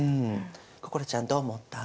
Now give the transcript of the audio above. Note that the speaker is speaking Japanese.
心ちゃんどう思った？